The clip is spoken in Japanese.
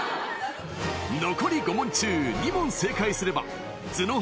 残り５問中２問正解すれば頭脳派